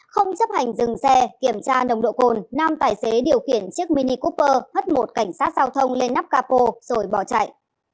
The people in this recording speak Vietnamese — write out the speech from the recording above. không chấp hành dừng xe kiểm tra nồng độ cồn nam tài xế điều khiển chiếc mini couper hất một cảnh sát giao thông lên nắp capo rồi bỏ chạy